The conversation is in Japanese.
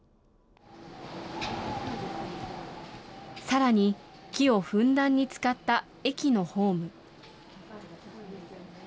さらに、木をふんだんに使った駅のホーム。